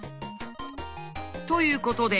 ということで。